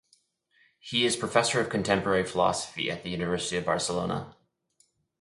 He is Professor of Contemporary Philosophy at the University of Barcelona.